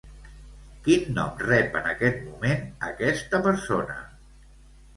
Quin nom rep en aquest moment aquesta persona?